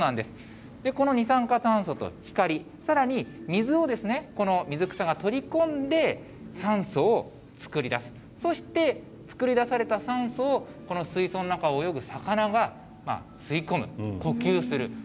この二酸化炭素と光り、さらに水をこの水草が取り込んで、酸素を作り出す、そして、作り出された酸素を、この水槽の中を泳ぐ魚が吸い込む、呼吸する。